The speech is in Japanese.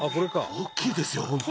「大きいですよ」